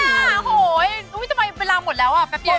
ไม่ได้แม่โอ๊ยอุ๊ยทำไมเวลาหมดแล้วอ่ะแป๊บเดี๋ยวนะ